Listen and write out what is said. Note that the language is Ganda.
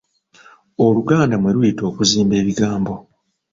Oluganda mwe luyita okuzimba ebigambo.